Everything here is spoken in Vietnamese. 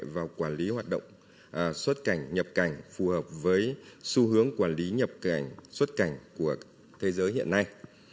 và quản lý hoạt động xuất cảnh nhập cảnh phù hợp với xu hướng quản lý nhập cảnh xuất cảnh của thế giới hiện nay